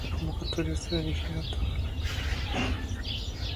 La convocatoria está dirigida a todo el ámbito latinoamericano.